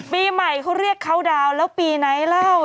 ปีใหม่เขาเรียกเขาดาวน์แล้วปีไหนเล่า